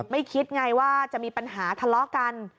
ไม่คิดไงว่าจะมีปัญหาทะเลาะกัน